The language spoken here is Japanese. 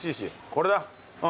これだ。